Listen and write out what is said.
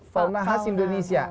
fauna khas indonesia